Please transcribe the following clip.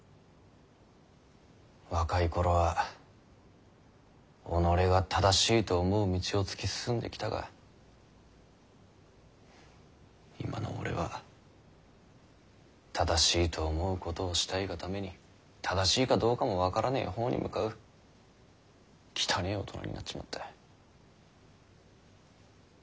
若い頃は己が正しいと思う道を突き進んできたが今の俺は正しいと思うことをしたいがために正しいかどうかも分からねぇ方に向かう汚ぇ大人になっちまった。